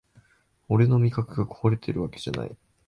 俺の味覚がこわれてるわけじゃない